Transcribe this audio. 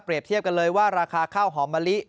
เทียบกันเลยว่าราคาข้าวหอมมะลิ